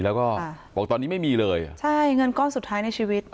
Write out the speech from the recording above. แล้วก็บอกตอนนี้ไม่มีเลยอ่ะใช่เงินก้อนสุดท้ายในชีวิต